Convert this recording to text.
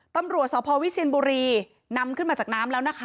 ตำรวจสพวิเชียนบุรีนำขึ้นมาจากน้ำแล้วนะคะ